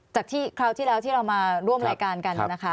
จากที่คราวที่แล้วที่เรามาร่วมรายการกันนะคะ